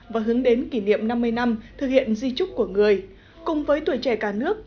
và hướng đến kỷ niệm năm mươi năm thực hiện di trúc của người cùng với tuổi trẻ cả nước